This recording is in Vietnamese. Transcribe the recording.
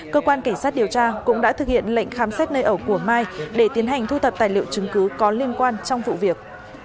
cơ quan cảnh sát điều tra cũng đã thực hiện lệnh khám xét nơi ở của mai để tiến hành thu thập tài liệu chứng cứ có liên quan trong vụ việc